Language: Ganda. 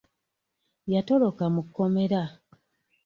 Yatoloka mu kkomera.